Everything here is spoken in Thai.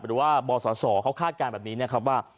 หรือว่าบศเขาคาดการณ์แบบนี้นะครับว่า